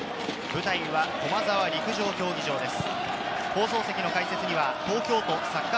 舞台は駒沢陸上競技場です。